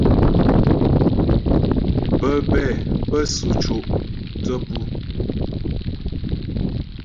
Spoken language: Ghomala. Pə́bɛ pə́ sʉ co' thə́ pu.